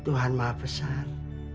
tuhan maaf besar